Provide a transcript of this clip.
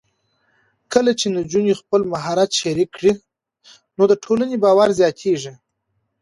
کله چې نجونې خپل مهارت شریک کړي، نو د ټولنې باور زیاتېږي.